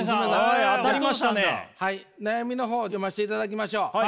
はい悩みの方読ましていただきましょう。